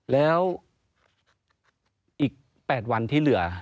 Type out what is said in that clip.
แล้วอีก๘วันที่เหลือ